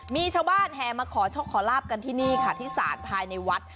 มีชาวบ้านแห่มาขอโชคขอลาบกันที่นี่ค่ะที่ศาลภายในวัด